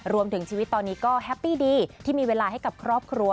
ชีวิตตอนนี้ก็แฮปปี้ดีที่มีเวลาให้กับครอบครัว